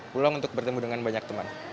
pulang untuk bertemu dengan banyak teman